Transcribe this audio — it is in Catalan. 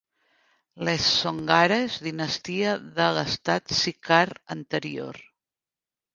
Les Songaras, dinastia de l'estat Sikar anterior.